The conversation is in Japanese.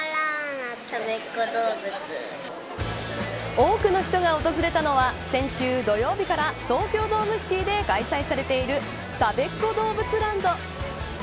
多くの人が訪れたのは先週土曜日から東京ドームシティで開催されているたべっ子どうぶつＬＡＮＤ。